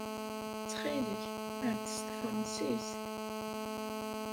Ttxil-k, err-d s tefṛensist.